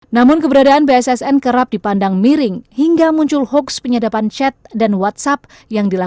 namun keberadaan bssn kerap dipandang miring hingga muncul hoaks penyedapan cahaya